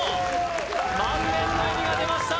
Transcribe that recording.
満面の笑みが出ました